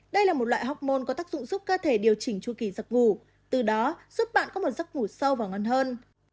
đây là một loại học môn có tác dụng giúp cơ thể điều chỉnh chu kỳ giặc ngủ từ đó giúp bạn có một giấc ngủ sâu và ngon hơn